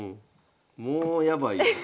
もうやばいよ。